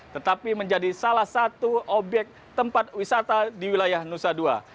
tetapi menjadi salah satu obyek tempat wisata di wilayah nusa dua